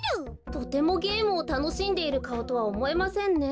とてもゲームをたのしんでいるかおとはおもえませんね。